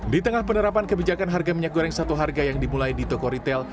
di tengah penerapan kebijakan harga minyak goreng satu harga yang dimulai di toko ritel